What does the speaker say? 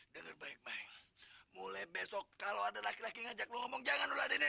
dengar baik baik mulai besok kalo ada laki laki ngajak lo ngomong jangan lulah diinin